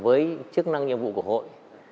với chức năng nhiệm vụ của hội